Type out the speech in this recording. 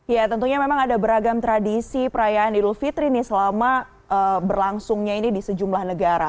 ya tentunya memang ada beragam tradisi perayaan idul fitri nih selama berlangsungnya ini di sejumlah negara